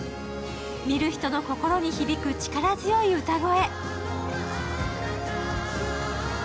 見る人の心に響く力強い歌声。